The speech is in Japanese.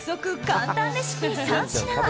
簡単レシピ３品。